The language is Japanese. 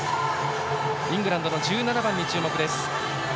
イングランドの１７番に注目です。